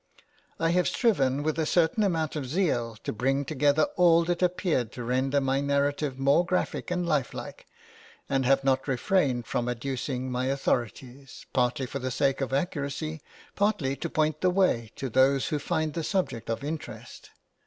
I have striven with a certain amount of zeal to bring together all that appeared to render my narrative more graphic and lifelike, and have not refrained from adducing my authorities, partly for the sake of accuracy, partly to point the way to those who find the subject of interest.